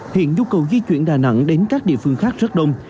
hiện nhu cầu di chuyển đà nẵng đến các địa phương khác rất đông